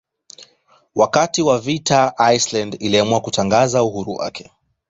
Wakati wa vita Iceland iliamua kutangaza uhuru wake.